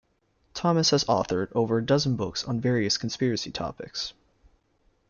Thomas has authored over a dozen books on various conspiracy topics.